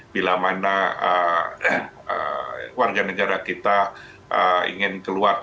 bila mana warga negara kita ingin keluar